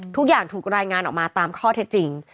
ทุกอย่างถูกรายงานออกมาตามข้อเท็จจริง